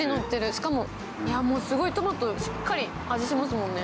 しかも、すごいトマトしっかり味しますもんね。